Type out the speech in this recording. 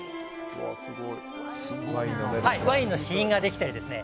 ワインの試飲ができたりですね。